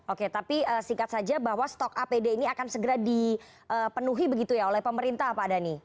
oke tapi singkat saja bahwa stok apd ini akan segera dipenuhi begitu ya oleh pemerintah pak dhani